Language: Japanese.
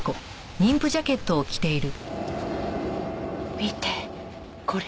見てこれ。